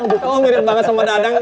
kamu mirip banget sama dadang doi